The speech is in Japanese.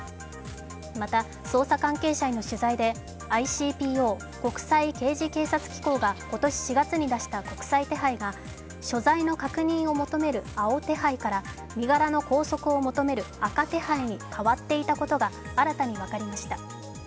また、捜査関係者への取材でＩＣＰＯ＝国際刑事警察機構が今年４月に出した国際手配が所在の確認を求める青手配から身柄の拘束を求める赤手配に変わっていたことが新たに分かりました。